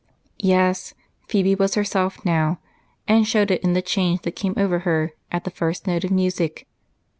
Yes, Phebe was herself now, and showed it in the change that came over her at the first note of music.